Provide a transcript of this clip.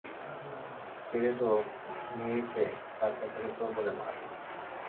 কেড়ে তো নিয়েইছে– তার পর তাকে চোর বলে মার।